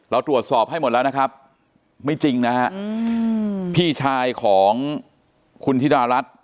เราตรวจสอบให้หมดแล้วนะครับไม่จริงนะฮะพี่ชายของคุณธิดารัฐ